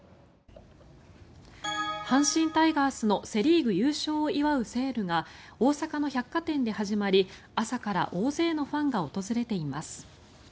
阪神タイガースのセ・リーグ優勝を祝うセールが大阪の百貨店で始まり朝から大勢のファンが訪れています。